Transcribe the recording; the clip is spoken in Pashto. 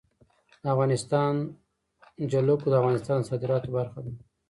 د افغانستان جلکو د افغانستان د صادراتو برخه ده.